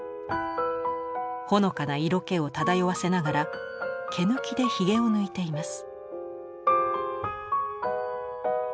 ほのかな色気を漂わせながら毛抜きでひげを抜いています。